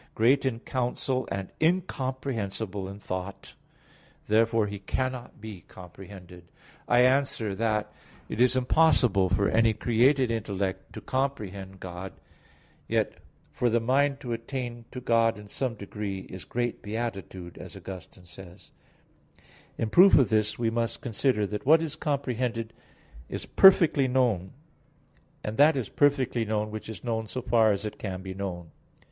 Great in counsel, and incomprehensible in thought" (Jer. 32:18,19). Therefore He cannot be comprehended. I answer that, It is impossible for any created intellect to comprehend God; yet "for the mind to attain to God in some degree is great beatitude," as Augustine says (De Verb. Dom., Serm. xxxviii). In proof of this we must consider that what is comprehended is perfectly known; and that is perfectly known which is known so far as it can be known.